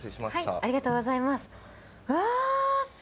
ありがとうございます。